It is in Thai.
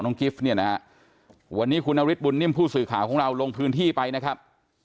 กิฟต์เนี่ยนะฮะวันนี้คุณนฤทธบุญนิ่มผู้สื่อข่าวของเราลงพื้นที่ไปนะครับ